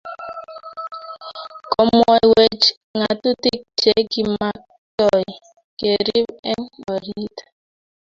Komwowech ngatutik che kimaktoi kerib eng orit